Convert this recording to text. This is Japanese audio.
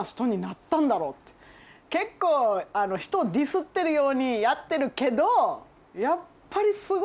結構人をディスってるようにやってるけどやっぱり。